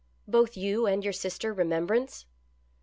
Both you and your sister Remembrance?"